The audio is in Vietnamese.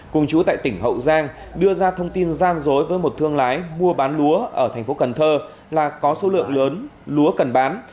cùng chú tại tỉnh hậu giang đưa ra thông tin gian dối với một thương lái mua bán lúa ở thành phố cần thơ là có số lượng lớn lúa cần bán